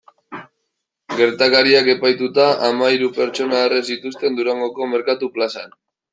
Gertakariak epaituta hamahiru pertsona erre zituzten Durangoko merkatu plazan.